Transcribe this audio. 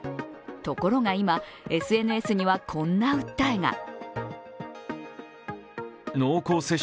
ところが今、ＳＮＳにはこんな訴えが。